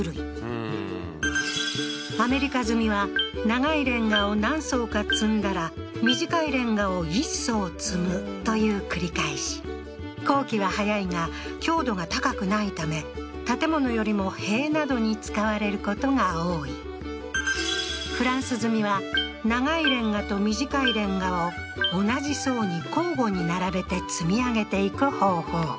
アメリカ積みは長いレンガを何層か積んだら短いレンガを一層積むという繰り返し工期は早いが強度が高くないため建物よりも塀などに使われることが多いフランス積みは長いレンガと短いレンガを同じ層に交互に並べて積み上げていく方法